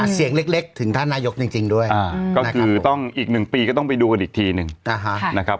เสียงเล็กถึงท่านนายกจริงด้วยก็คือต้องอีก๑ปีก็ต้องไปดูกันอีกทีหนึ่งนะครับ